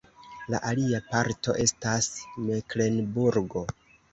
La alia parto estas Meklenburgo.